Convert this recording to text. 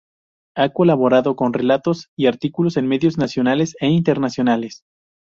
Ha colaborado con relatos y artículos en medios nacionales e internacionales.